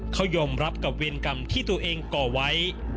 เขายอมรับกับเวรกรรมที่ตัวเองก่อไว้